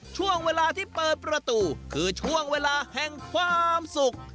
ช่วงเวลาที่เปิดประตูคือช่วงเวลาแห่งความสุข